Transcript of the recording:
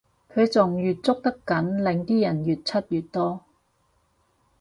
佢仲越捉得緊令啲人越出越多